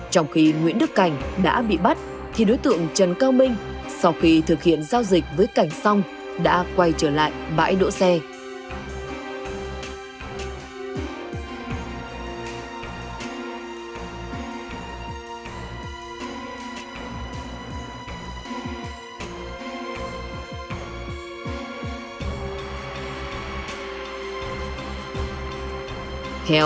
trong khi nguyễn đức cảnh đã bị bắt thì đối tượng trần cao minh sau khi thực hiện giao dịch với cảnh xong đã quay trở lại bãi đỗ xe